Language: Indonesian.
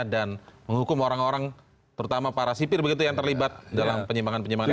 dan menghukum orang orang terutama para sipir begitu yang terlibat dalam penyimbangan penyimbangan ini